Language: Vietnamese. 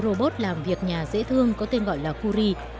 chú rồ là một chiếc robot làm việc nhà dễ thương có tên gọi là kuri